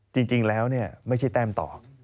จริงแล้วไม่ใช่แต้มต่อ